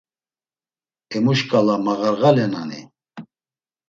Emu şǩala mağarğalenani?